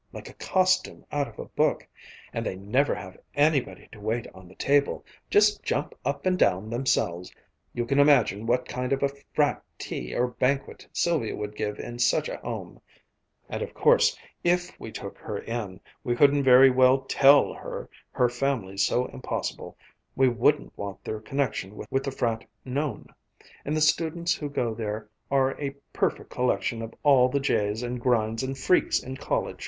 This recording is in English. Like a costume out of a book; and they never have anybody to wait on the table, just jump up and down themselves you can imagine what kind of a frat tea or banquet Sylvia would give in such a home and of course if we took her in, we couldn't very well tell her her family's so impossible we wouldn't want their connection with the frat known and the students who go there are a perfect collection of all the jays and grinds and freaks in college.